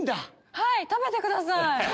はい食べてください。